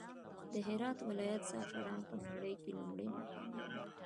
د هرات ولايت زعفران په نړى کې لومړى مقام لري.